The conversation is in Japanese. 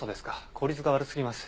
効率が悪過ぎます。